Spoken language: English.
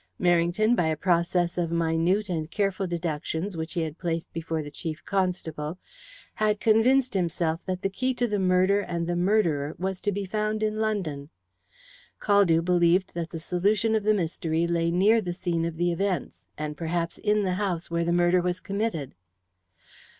Merrington, by a process of minute and careful deductions which he had placed before the Chief Constable, had convinced himself that the key to the murder and the murderer was to be found in London; Caldew believed that the solution of the mystery lay near the scene of the events, and perhaps in the house where the murder was committed.